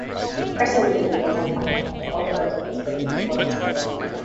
Casting immediately contacted the other actor considered for the role, Earl Hindman.